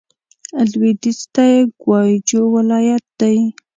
لوېدیځ ته یې ګوای جو ولايت دی.